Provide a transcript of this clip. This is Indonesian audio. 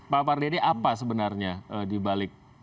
pak pardedi apa sebenarnya di balik